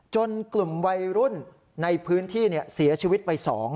กลุ่มวัยรุ่นในพื้นที่เสียชีวิตไป๒